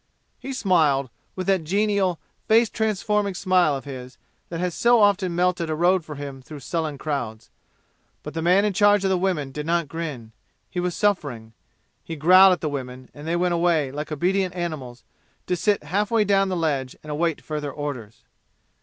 He smiled, with that genial, face transforming smile of his that has so often melted a road for him through sullen crowds. But the man in charge of the women did not grin. He was suffering. He growled at the women, and they went away like obedient animals, to sit half way down the ledge and await further orders.